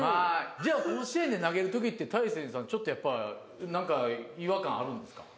じゃ甲子園で投げる時って大勢さんちょっとやっぱ何か違和感あるんですか？